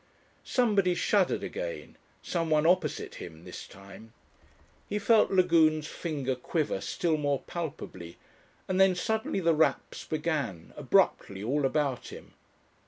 Somebody shuddered again, someone opposite him this time. He felt Lagune's finger quiver still more palpably, and then suddenly the raps began, abruptly, all about him.